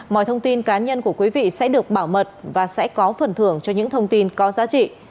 mọi thông tin cá nhân của quý vị sẽ được bảo mật và sẽ có phần thưởng cho những thông tin có giá trị